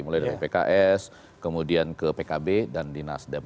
mulai dari pks kemudian ke pkb dan di nasdem